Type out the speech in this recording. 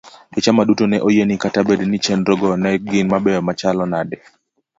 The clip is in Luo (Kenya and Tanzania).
jochama duto ne oyie ni kata bed ni chenrogo ne gin mabeyo machalo nade.